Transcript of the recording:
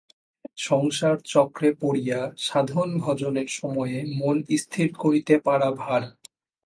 সংসারচক্রে পড়িয়া সাধন-ভজনের সময়ে মন স্থির করিতে পারা ভার।